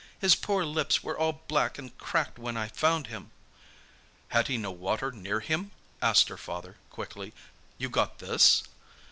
His poor lips were all black and cracked when I found him." "Had he no water near him?" asked her father, quickly. "You got this?"